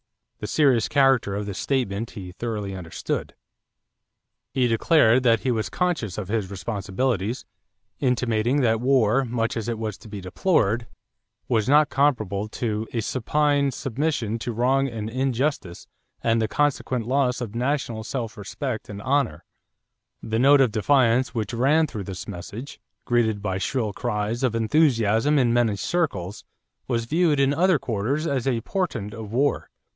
The serious character of this statement he thoroughly understood. He declared that he was conscious of his responsibilities, intimating that war, much as it was to be deplored, was not comparable to "a supine submission to wrong and injustice and the consequent loss of national self respect and honor." [Illustration: GROVER CLEVELAND] The note of defiance which ran through this message, greeted by shrill cries of enthusiasm in many circles, was viewed in other quarters as a portent of war.